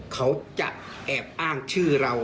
เขาจะแอบอ้างชื่อเรา